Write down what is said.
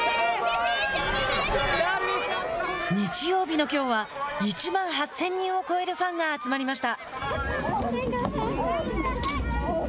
日曜日のきょうは１万８０００人を超えるファンが集まりました。